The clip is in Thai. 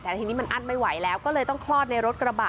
แต่ทีนี้มันอั้นไม่ไหวแล้วก็เลยต้องคลอดในรถกระบะ